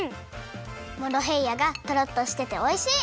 モロヘイヤがトロっとしてておいしい！